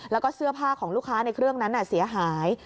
แล้วก็เสื้อผ้าของลูกค้าในเครื่องนั้นเสียหาย